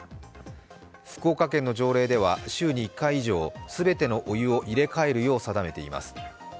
福岡県の条例では週に１回以上全てのお湯を入れ替えるよう定められています。